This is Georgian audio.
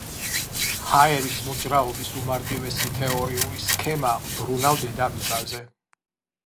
ჰაერის მოძრაობის უმარტივესი თეორიული სქემა მბრუნავ დედამიწაზე.